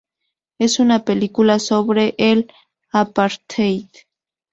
Es una película sobre el apartheid.